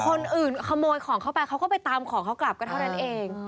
คนอื่นขโมยของเข้าไปเขาก็ไปตามของเขากลับก็เท่านั้นเอง